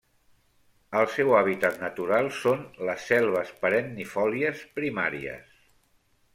El seu hàbitat natural són les selves perennifòlies primàries.